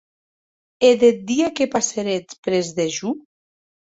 E deth dia que passéretz près de jo?